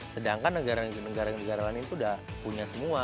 sedangkan negara negara lain itu sudah punya semua